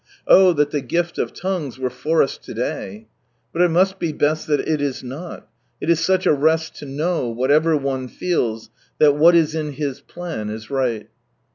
Oh that the gift of tongues were for us to day ! But it must be best that it is not. It is such a rest to hww, whatever owtfeth, that what is in His plan, is right.